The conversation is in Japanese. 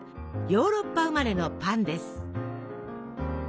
ヨーロッパ生まれのパンです。